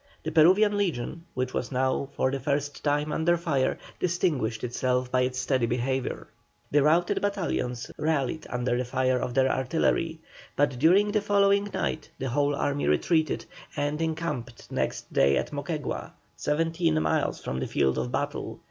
The Peruvian legion, which was now for the first time under fire, distinguished itself by its steady behaviour. The routed battalions rallied under the fire of their artillery, but during the following night the whole army retreated, and encamped next day at Moquegua, seventeen miles from the field of battle.